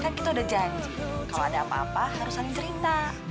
kan kita udah janji kalau ada apa apa harus saling cerita